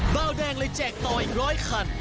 เบาแดงเลยแจกต่ออีกร้อยคัน